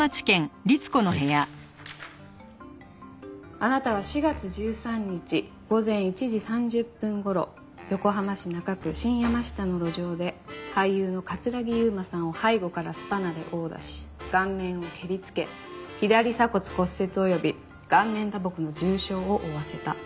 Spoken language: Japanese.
あなたは４月１３日午前１時３０分頃横浜市中区新山下の路上で俳優の城悠真さんを背後からスパナで殴打し顔面を蹴りつけ左鎖骨骨折及び顔面打撲の重傷を負わせた。